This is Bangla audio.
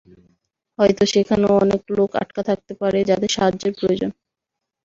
হয়তো সেখানেও অনেক লোক আটকা থাকতে পারে যাদের সাহায্যের প্রয়োজন।